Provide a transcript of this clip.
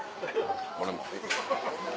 俺も。